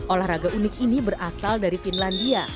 olahraga unik ini berasal dari finlandia